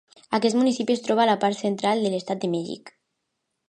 Aquest municipi es troba a la part central de l'estat de Mèxic.